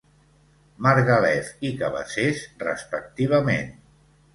Margalef i Cabassers, respectivament.